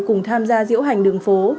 cùng tham gia diễu hành đường phố